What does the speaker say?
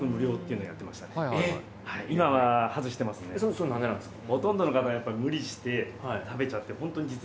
それ何でなんですか？